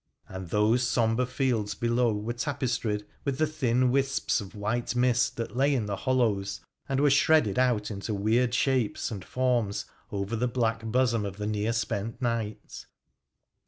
And those sombre fields below were tapestried with the thin wisps of white mist that lay in the hollows, and were shredded out into weird shapes and forms over the black bosom of the near spent night.